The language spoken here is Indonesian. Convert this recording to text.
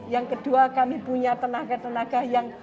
yang kedua kami punya tenaga tenaga yang